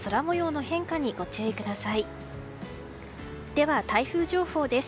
では、台風情報です。